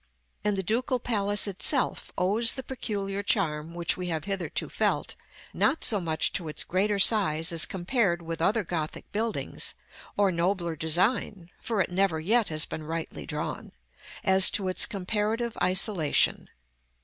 And the Ducal Palace itself owes the peculiar charm which we have hitherto felt, not so much to its greater size as compared with other Gothic buildings, or nobler design (for it never yet has been rightly drawn), as to its comparative isolation.